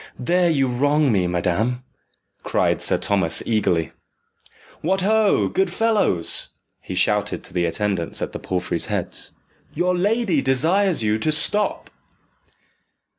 "There you wrong me, madam!" cried Sir Thomas eagerly. "What ho, good fellows!" he shouted to the attendants at the palfreys' heads, "your lady desires you to stop."